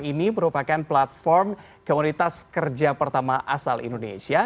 ini merupakan platform komunitas kerja pertama asal indonesia